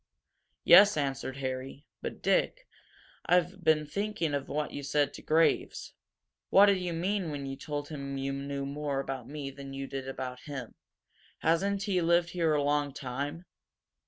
"Yes," answered Harry. "But, Dick, I've been thinking of what you said to Graves. What did you mean when you told him you knew more about me than you did about him? Hasn't he lived here a long time?"